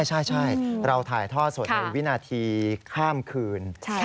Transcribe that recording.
ใช่เราถ่ายทอดสดในวินาทีข้ามคืน